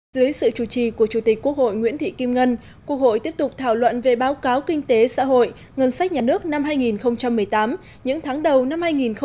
dưới sự chủ trì của chủ tịch quốc hội nguyễn thị kim ngân quốc hội tiếp tục thảo luận về báo cáo kinh tế xã hội ngân sách nhà nước năm hai nghìn một mươi tám những tháng đầu năm hai nghìn một mươi chín